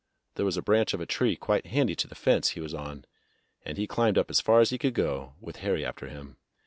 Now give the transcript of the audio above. There was a branch of a tree quite handy to the fence he was on, and he climbed up as far as he could go, with Harry after him.